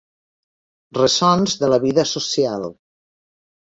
Ressons de la vida social.